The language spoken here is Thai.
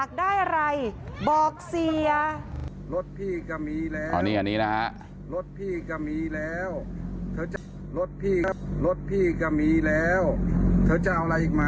นี่นะคะ